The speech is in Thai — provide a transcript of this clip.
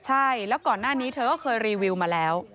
ใช่แล้วก่อนหน้านี้เธอก็เคยรีวิวมาแล้ว